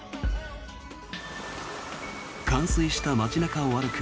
冠水した街中を歩く